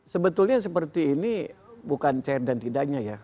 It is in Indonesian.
sebetulnya seperti ini bukan cair dan tidaknya ya